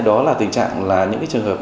đó là tình trạng là những trường hợp